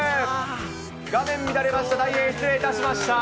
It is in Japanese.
画面乱れました、大変失礼いたしました。